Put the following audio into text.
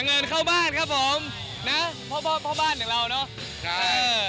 เงินเข้าบ้านครับผมนะพ่อพ่อพ่อบ้านของเราเนอะใช่